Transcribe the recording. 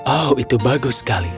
oh itu bagus sekali